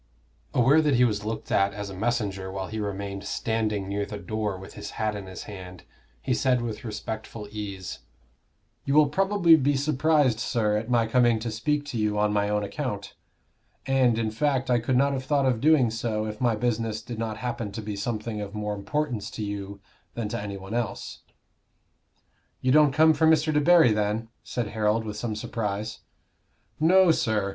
Aware that he was looked at as a messenger while he remained standing near the door with his hat in his hand, he said, with respectful ease "You will probably be surprised, sir, at my coming to speak to you on my own account; and, in fact, I could not have thought of doing so if my business did not happen to be something of more importance to you than to any one else." "You don't come from Mr. Debarry, then?" said Harold, with some surprise. "No, sir.